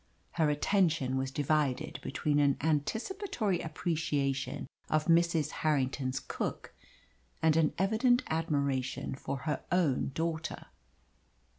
Her attention was divided between an anticipatory appreciation of Mrs. Harrington's cook and an evident admiration for her own daughter.